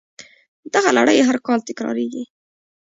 دغه لړۍ هر کال تکراریږي